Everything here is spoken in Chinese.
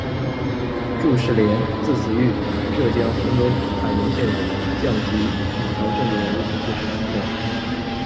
祝世廉，字子隅，浙江杭州府海宁县人，匠籍，明朝政治人物、进士出身。